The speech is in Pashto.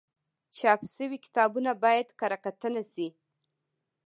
چاپ شوي کتابونه باید کره کتنه شي.